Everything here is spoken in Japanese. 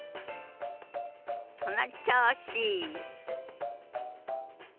その調子！